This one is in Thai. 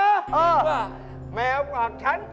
เออแมวหวัดฉัน